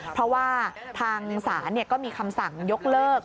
เพราะว่าทางศาลก็มีคำสั่งยกเลิก